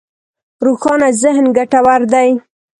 روښانه ذهن ګټور دی.